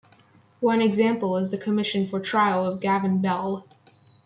One example is the commission for trial of Gavin Bell.